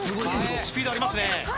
スピードありますね